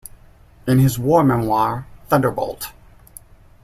In his war memoir, Thunderbolt!